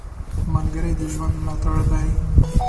ملګری د ژوند ملاتړ دی